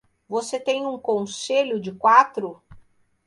Você tem um conselho de quatro?